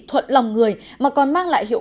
thuận lòng người mà còn mang lại hiệu